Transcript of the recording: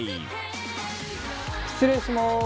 失礼します。